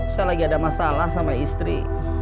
saya lagi ada masalah sama istri